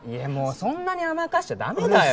そんなに甘やかしちゃダメだよ